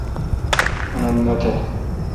اُنت نہ تہ۔